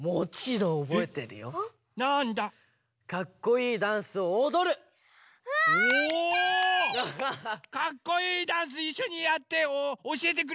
かっこいいダンスいっしょにやっておしえてくれる？